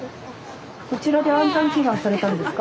こちらで安産祈願されたんですか？